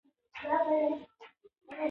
ذهن د انسان د تفکر مرکز دی.